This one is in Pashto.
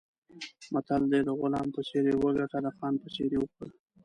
متل دی: د غلام په څېر یې وګټه، د خان په څېر یې وخوره.